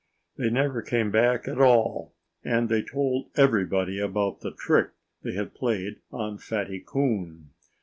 They never came back at all. And they told everybody about the trick they had played on Fatty Coon.